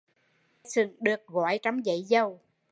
Mè xửng được gói trong giấy dầu